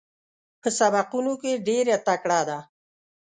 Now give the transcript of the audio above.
په سبقونو کې ډېره تکړه ده.